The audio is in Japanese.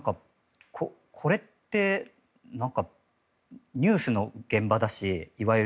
これって、いわゆるニュースの現場だし